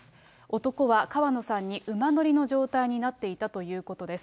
男は川野さんに馬乗りの状態になっていたということです。